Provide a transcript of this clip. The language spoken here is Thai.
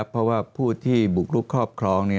เพราะว่าผู้ที่บุกลุกครอบครอง